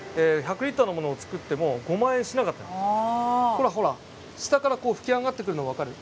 ほらほら下からこう噴き上がってくるの分かる？